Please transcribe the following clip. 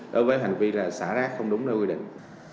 đối với hành vi là xả rác không đúng nơi quy định